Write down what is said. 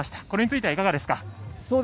これについてはいかがですか。